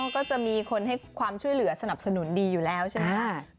ก็จะมีคนให้ความช่วยเหลือสนับสนุนดีอยู่แล้วใช่ไหม